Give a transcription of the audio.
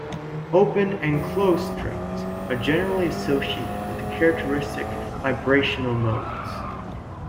Open and closed strings are generally associated with characteristic vibrational modes.